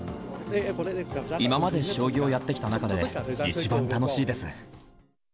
今まで将棋をやってきた中で、一番楽しいです。